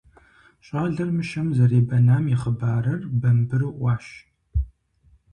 ЩӀалэр мыщэм зэребэнам и хъыбарыр бамбыру Ӏуащ.